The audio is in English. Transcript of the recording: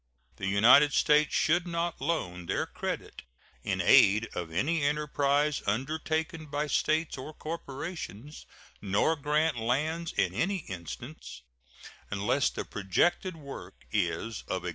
The United States should not loan their credit in aid of any enterprise undertaken by States or corporations, nor grant lands in any instance, unless the projected work is of acknowledged national importance.